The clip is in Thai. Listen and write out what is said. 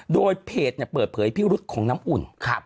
โดยเพจเปิดเผยพิรุษของน้ำอุ่น